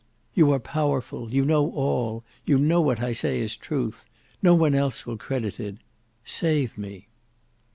"You are powerful; you know all; you know what I say is truth. None else will credit it. Save me!"